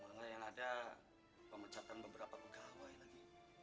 malah yang ada pemecatan beberapa pegawai lagi